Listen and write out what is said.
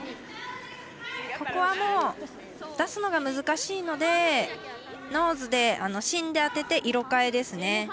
ここはもう出すのが難しいのでノーズで芯で当てて色変えですね。